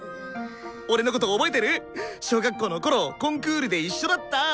俺のこと覚えてる？小学校のころコンクールで一緒だった。